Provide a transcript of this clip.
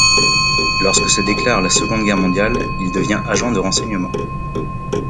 Lorsque se déclare la Seconde Guerre mondiale, il devient agent de renseignements.